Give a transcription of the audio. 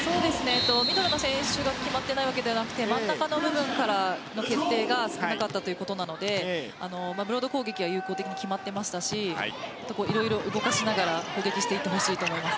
ミドルの選手が決まっていないわけではなくて真ん中の部分からの決定が少なかったということなのでブロード攻撃が有効的に決まっていましたしいろいろ動かしながら攻撃していってほしいです。